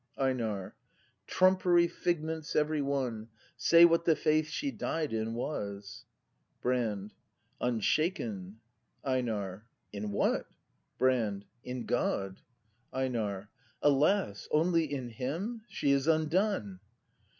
EiNAR. Trumpery figments every one. Say what the faith she died in was. Brand. Unshaken. EiNAB. In what ? Brand. In God. ACT V] BRAND 253 EiNAK. Alas! Only in Him ? She is undone.